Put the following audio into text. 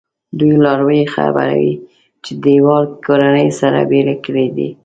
دوی لاروی خبروي چې دیوال کورنۍ سره بېلې کړي دي.